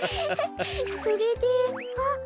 それであっ！